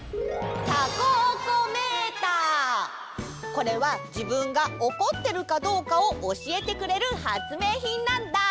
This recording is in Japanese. これはじぶんがおこってるかどうかをおしえてくれるはつめいひんなんだ。